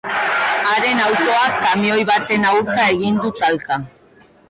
Haren autoak kamioi baten aurka egin du talka.